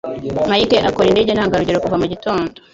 Mike akora indege ntangarugero kuva mugitondo.